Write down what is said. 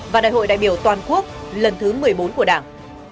và đại hội đại biểu toàn quốc lần thứ một mươi bốn của đảng